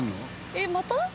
えっまた？